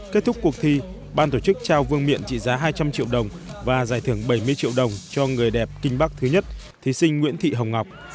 kết thúc cuộc thi ban tổ chức trao vương miện trị giá hai trăm linh triệu đồng và giải thưởng bảy mươi triệu đồng cho người đẹp kinh bắc thứ nhất thí sinh nguyễn thị hồng ngọc